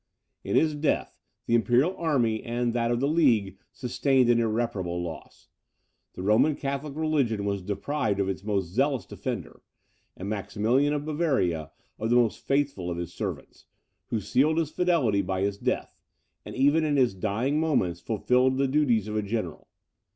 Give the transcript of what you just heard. In his death, the Imperial army and that of the League sustained an irreparable loss; the Roman Catholic religion was deprived of its most zealous defender, and Maximilian of Bavaria of the most faithful of his servants, who sealed his fidelity by his death, and even in his dying moments fulfilled the duties of a general.